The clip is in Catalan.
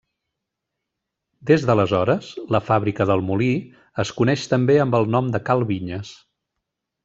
Des d'aleshores, la fàbrica del Molí es coneix també amb el nom de cal Vinyes.